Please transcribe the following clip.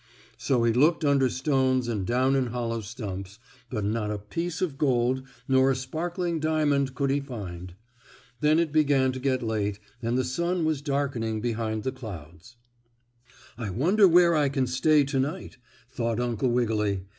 So he looked under stones and down in hollow stumps, but not a piece of gold nor a sparkling diamond could he find. Then it began to get late, and the sun was darkened behind the clouds. "I wonder where I can stay to night?" thought Uncle Wiggily.